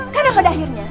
karena pada akhirnya